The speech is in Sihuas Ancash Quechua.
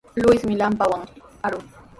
Luismi lampawan arun.